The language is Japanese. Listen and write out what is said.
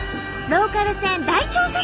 ローカル線大調査